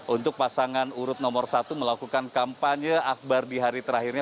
untuk pasangan urut nomor satu melakukan kampanye akbar di hari terakhirnya